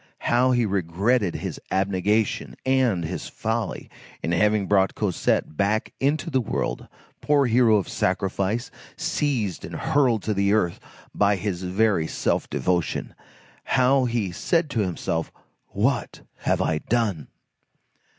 How he regretted his abnegation and his folly in having brought Cosette back into the world, poor hero of sacrifice, seized and hurled to the earth by his very self devotion! How he said to himself, "What have I done?"